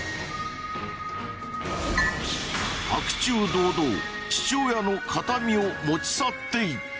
白昼堂々父親の形見を持ち去っていった。